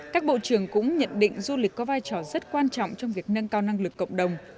các bộ trưởng cũng nhận định du lịch có vai trò rất quan trọng trong việc nâng cao năng lực cộng đồng